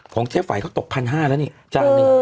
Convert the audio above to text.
ของเจ๊ไฝ่เขาตก๑๕๐๐บาทแล้วนี่จานนี้